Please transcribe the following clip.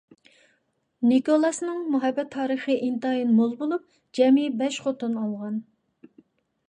نىكولاسنىڭ مۇھەببەت تارىخى ئىنتايىن مول بولۇپ، جەمئىي بەش خوتۇن ئالغان.